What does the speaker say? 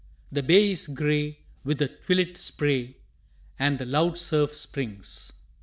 The bay is gray with the twilit spray And the loud surf springs.